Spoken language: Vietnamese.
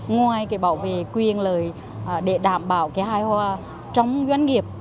ngoài cái bảo vệ quyền lời để đảm bảo cái hài hòa trong doanh nghiệp